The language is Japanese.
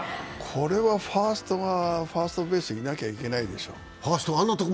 これはファーストがファーストベースにいなきゃいけないでしょう。